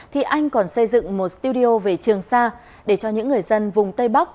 thì anh còn xây dựng một studio về trường sa để cho những người dân vùng tây bắc